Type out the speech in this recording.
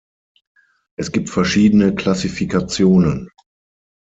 Es gibt verschiedene Klassifikationen.